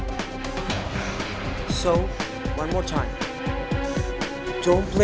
jadi sekali lagi jangan main main sama aku oke